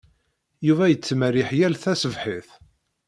Yuba yettmerriḥ yal taṣebḥit.